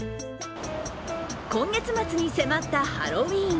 今月末に迫ったハロウィーン。